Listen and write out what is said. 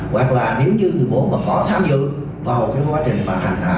hoặc là nếu như người bố mà có tham dự vào cái quá trình mà hành hạ